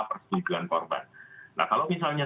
persetujuan korban nah kalau misalnya